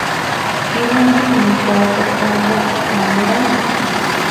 Killantinmi pawkartambopi kamurani